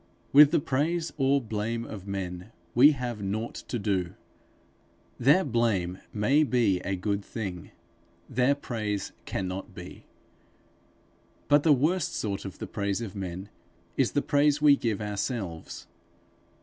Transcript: With the praise or blame of men we have nought to do. Their blame may be a good thing, their praise cannot be. But the worst sort of the praise of men is the praise we give ourselves.